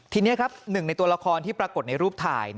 ทีนี้ครับหนึ่งในตัวละครที่ปรากฏในรูปถ่าย